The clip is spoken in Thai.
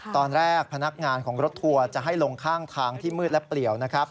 ตอนแรกพนักงานของรถทัวร์จะให้ลงข้างทางที่มืดและเปลี่ยวนะครับ